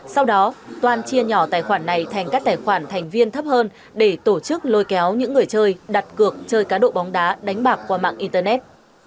sau đó toan chia nhỏ tài khoản này thành các tài khoản thành viên thấp hơn để tổ chức lôi kéo những người chơi đặt cược chơi cá độ bóng đá đánh bạc qua mạng internet